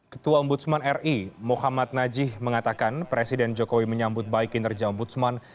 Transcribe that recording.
ketua ombudsman ri muhammad najih mengatakan presiden jokowi menyambut baik kinerja ombudsman